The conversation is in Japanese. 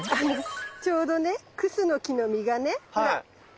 ちょうどねクスノキの実がねほら落ちてたので。